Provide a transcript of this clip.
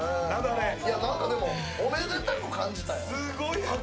何かでもおめでたく感じたよ。